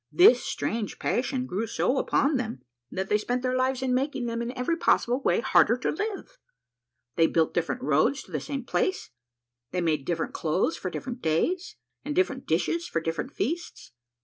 This strange passion so grew upon them that they spent their lives in making them in every possible way harder to live. They built different roads to the same place, they made different clothes for different days, and different dishes for different feasts.